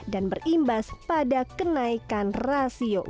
dan berimbas pada kenaikan rasio